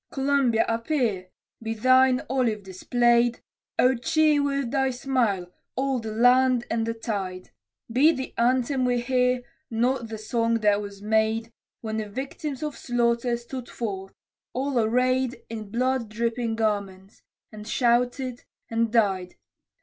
Columbia, appear! Be thine olive displayed, O cheer with thy smile, all the land and the tide! Be the anthem we hear not the song that was made, When the victims of slaughter stood forth, all arrayed In blood dripping garments and shouted and died.